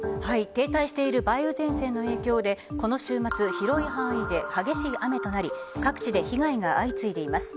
停滞している梅雨前線の影響でこの週末広い範囲で激しい雨となり各地で被害が相次いでいます。